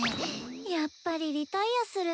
やっぱりリタイアする？